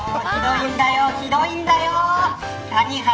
ひどいんだよ。